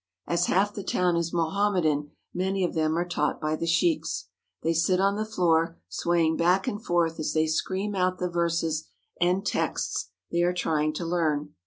As half the town is Mo hammedan, many of them are taught by the sheiks. They sit on the floor, swaying back and forth as they scream out the verses and texts they are trying to learn.